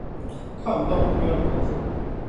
看不到目标与方向